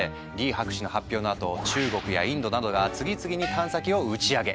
博士の発表のあと中国やインドなどが次々に探査機を打ち上げ。